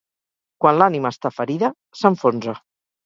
Quan l'ànima està ferida, s'enfonsa.